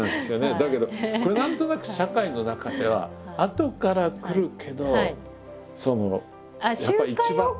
だけどこれ何となく社会の中ではあとから来るけどその。